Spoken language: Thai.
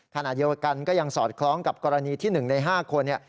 ขณะเดียวกันก็ยังสอดคล้องกับกรณีที่๑ใน๕คนเนี่ย